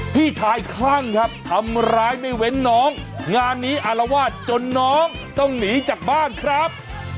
พี่ชายคลั่งครับทำร้ายไม่เว้นน้องงานนี้อารวาสจนน้องต้องหนีจากบ้านครับ